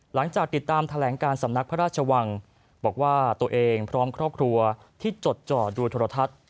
หลังจากติดตามแถลงการสำนักพระราชวังบอกว่าตัวเองพร้อมครอบครัวที่จดจ่อดูโทรทัศน์